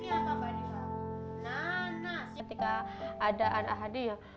ketika ada anak anak honey yang